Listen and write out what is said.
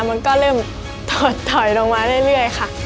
รวมทั้งหมดอังุ่นได้ไปทั้งหมด๕๕คะแนนค่ะ